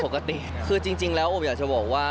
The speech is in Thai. ปกติคือจริงแล้วโอบอยากจะบอกว่า